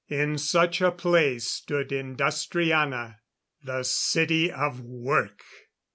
In such a place stood Industriana. The City of Work!